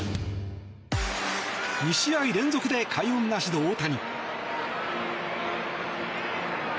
２試合連続で快音なしの大谷。